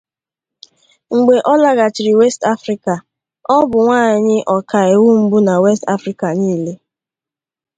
Mgbe ọ laghachiri West Africa, ọ bụ nwanyị ọkàiwu mbụ na West Afrika niile.